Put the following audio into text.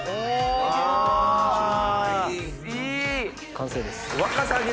完成です。